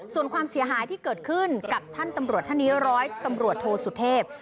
ส่วนความเสียหายที่เกิดขึ้นกับท่านตำรวจท่านนี้ร้อยตำรวจโทสุเทพ